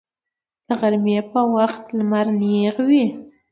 د غرمې په وخت لمر نیغ وي